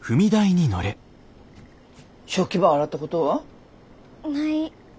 食器ば洗ったことは？ない。